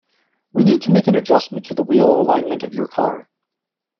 We need to make an adjustment to the wheel alignment of your car.